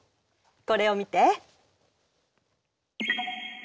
これを見て。